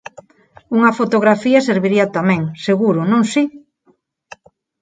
Unha fotografía serviría tamén, seguro, non si.